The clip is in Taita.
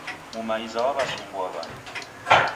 Mumaiza wawesumbua wandu